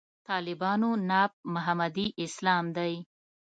طالبانو ناب محمدي اسلام دی.